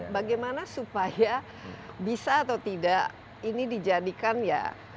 bagaimana supaya bisa atau tidak ini dijadikan ya